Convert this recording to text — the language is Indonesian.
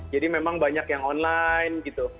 jadi memang banyak yang online gitu